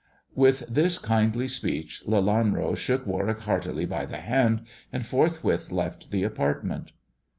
With this kindly speech Lelanro shook Warwick heartily by the hand, and forthwith left the apartment.